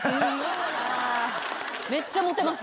めっちゃモテます。